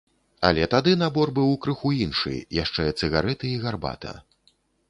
Але тады набор быў крыху іншы, яшчэ цыгарэты і гарбата.